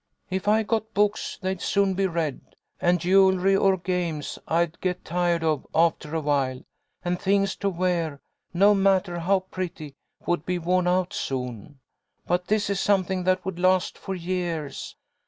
If I got books they'd soon be read, and jewelry or games I'd get tired of after awhile, and things to wear, no matter how pretty, would be worn out soon. But this is something that would last for years.